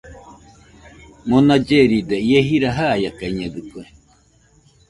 Mona lleride ie jira jaiakañedɨkue